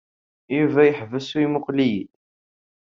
Yuba yeḥbes u yemmuqqel-iyi-d.